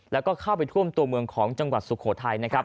แล้วเข้าไปท่วมตัวเมืองของจังหวัดสุโขทัย